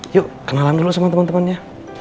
yuk kenalan dulu sama teman temannya